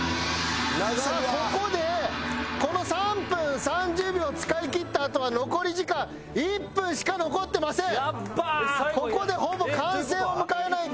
さあここでこの３分３０秒を使い切ったあとは残り時間１分しか残ってません！